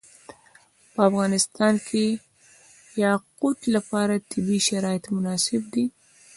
په افغانستان کې د یاقوت لپاره طبیعي شرایط مناسب دي.